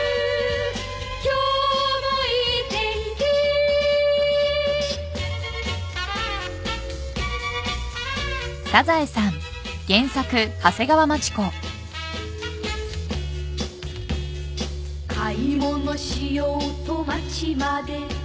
「今日もいい天気」「買い物しようと街まで」